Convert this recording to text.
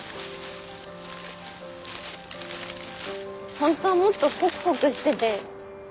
ホントはもっとホクホクしてて。